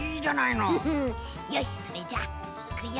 よしそれじゃあいくよ。